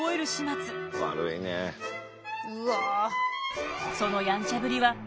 うわ。